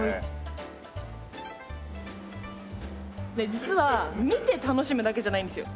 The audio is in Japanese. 実は見て楽しむだけじゃないんですよ。